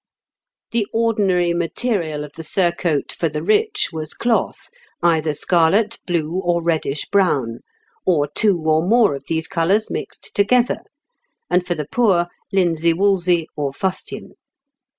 The ordinary material of the surcoat for the rich was cloth, either scarlet, blue, or reddish brown, or two or more of these colours mixed together; and for the poor, linsey woolsey or fustian.